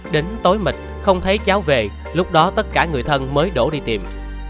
đến tối mịt không thấy cháu về lúc đó tất cả người thân mới đổ đi tìm